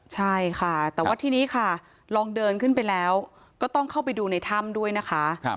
ใช่ค่ะแต่ว่าทีนี้ค่ะลองเดินขึ้นไปแล้วก็ต้องเข้าไปดูในถ้ำด้วยนะคะ